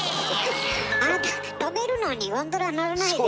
あなた飛べるのにゴンドラ乗らないでよ。